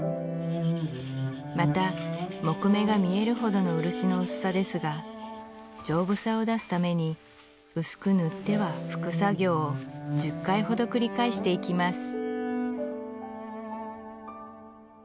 また木目が見えるほどの漆の薄さですが丈夫さを出すために薄く塗っては拭く作業を１０回ほど繰り返していきます